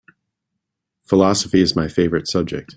Philosophy is my favorite subject.